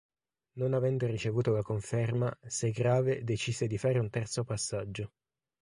Non avendo ricevuto la conferma, Segrave decise di fare un terzo passaggio.